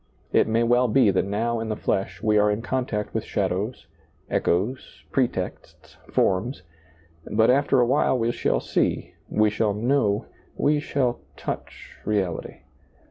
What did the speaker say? It may well be that now in the flesh we are in contact with shadows, echoes, pretexts, forms, but after awhile we shall see, we shall know, we shall touch reality.